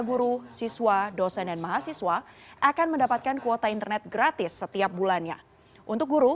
guru siswa dosen dan mahasiswa akan mendapatkan kuota internet gratis setiap bulannya untuk guru